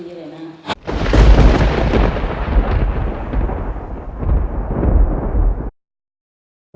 อันนี้คำถามจริงไหมครับ